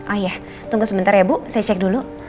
oh iya tunggu sebentar ya bu saya cek dulu